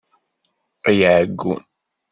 Ay aɛeggun!